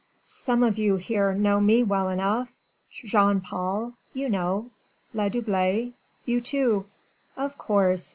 "Some of you here know me well enough. Jean Paul, you know Ledouble, you too...." "Of course!